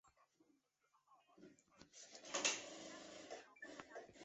膨胀表孔珊瑚为轴孔珊瑚科表孔珊瑚属下的一个种。